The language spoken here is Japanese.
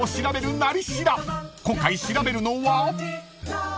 ［今回調べるのは？］